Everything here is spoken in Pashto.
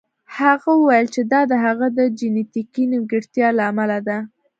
هغه وویل چې دا د هغه د جینیتیکي نیمګړتیا له امله ده